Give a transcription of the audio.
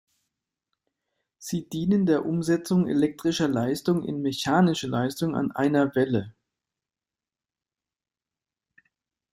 Sie dienen der Umsetzung elektrischer Leistung in mechanische Leistung an einer Welle.